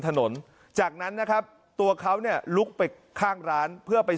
ถนนจากนั้นนะครับตัวเขาเนี่ยลุกไปข้างร้านเพื่อไป